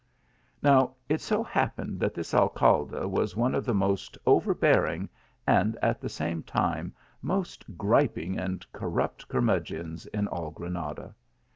Now it so happened that this Alcalde was one of the most overbearing, and at the same time most griping and corrupt curmudgeons in all Granada.